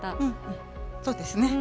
そうですね。